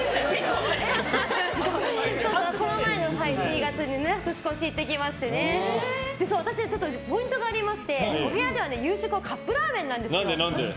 この前の１２月に年越しに行ってきまして私、ポイントがありましてお部屋では夕食はカップラーメンなんです。